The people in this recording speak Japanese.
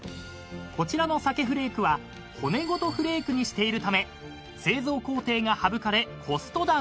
［こちらの鮭フレークは骨ごとフレークにしているため製造工程が省かれコストダウン］